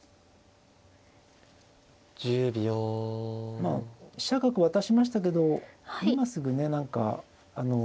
まあ飛車角渡しましたけど今すぐね何かあの。